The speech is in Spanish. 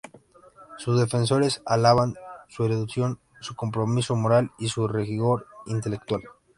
Sus defensores alaban su erudición, su compromiso moral y su rigor intelectual.